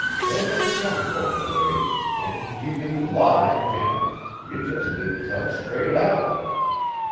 Them is young folks' ways, an' ye didn't lie, Janet, ye jest didn't tell straight out.